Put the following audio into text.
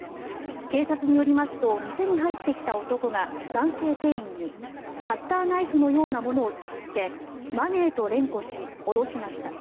警察によりますと店に入ってきた男が男性店員にカッターナイフのようなものを突きつけマネーと連呼し、脅しました。